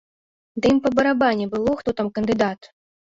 Да ім па барабане было, хто там кандыдат!